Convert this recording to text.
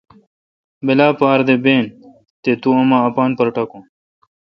بلا پار دہ بین تے تو اما اپان پر ٹاکون۔